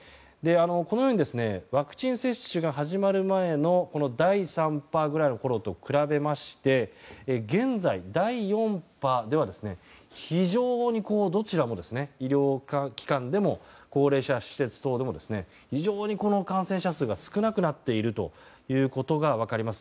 このようにワクチン接種が始まる前の第３波ぐらいのころと比べまして現在、第４波ではどちらも医療機関でも高齢者施設等でも非常に感染者数が少なくなっているということが分かります。